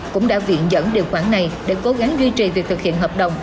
cũng đã viện dẫn điều khoản này để cố gắng duy trì việc thực hiện hợp đồng